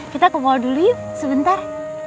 kita ke mall dulu yuk sebentar